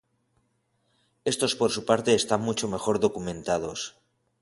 Estos por su parte están mucho mejor documentados.